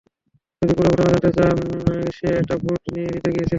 যদি পুরো ঘটনা জানতে চান - সে একটা বোট নিয়ে হ্রদে গিয়েছিল।